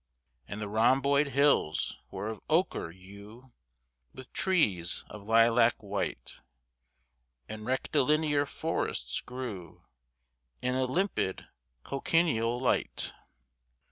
And the rhomboid hills were of ochre hue With trees of lilac white, And rectilinear forests grew In a limpid cochineal light.